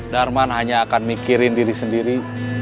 darman hanya akan mikirin diri sendiri